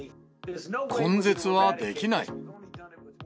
根絶はできない。